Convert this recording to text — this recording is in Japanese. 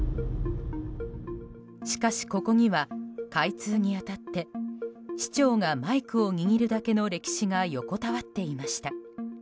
しかし、ここには開通に当たって市長がマイクを握るだけの歴史が横たわっていました。